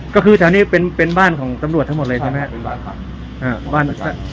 ก็คือทนี่เป็นเป็นบ้านของตำรวจทั้งหมดเลยใช่ไหมครับ